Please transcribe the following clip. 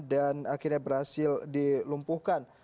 dan akhirnya berhasil dilumpuhkan